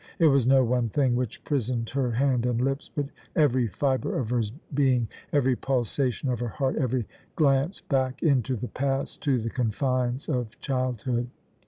It was no one thing which prisoned her hand and lips, but every fibre of her being, every pulsation of her heart, every glance back into the past to the confines of childhood.